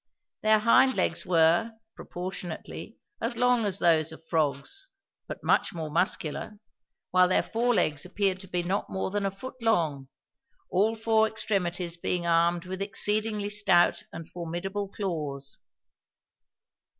Their hind legs were, proportionately, as long as those of frogs, but much more muscular, while their fore legs appeared to be not more than a foot long, all four extremities being armed with exceedingly stout and formidable claws.